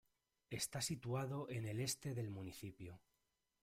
Está situado en el este del municipio.